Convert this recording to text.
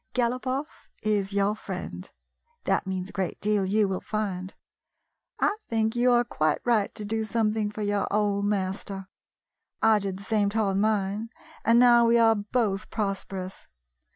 Galopoff is your friend. That means a great deal, you will find. I think you are quite right to do something for your old master. I did the same toward mine, and now we are both prosperous.